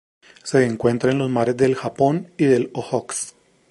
Se encuentra en los mares del Japón y del Ojotsk.